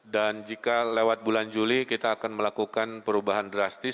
dan jika lewat bulan juli kita akan melakukan perubahan drastis